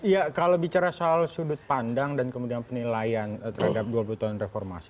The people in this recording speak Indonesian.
ya kalau bicara soal sudut pandang dan kemudian penilaian terhadap dua puluh tahun reformasi